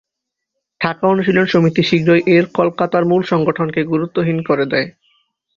ঢাকা অনুশীলন সমিতি শীঘ্রই এর কলকাতার মূল সংগঠনকে গুরুত্বহীন করে দেয়।